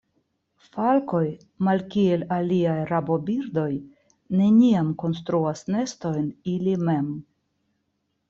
Falkoj malkiel aliaj rabobirdoj neniam konstruas nestojn ili mem.